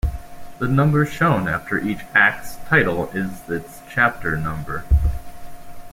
The number shown after each Act's title is its chapter number.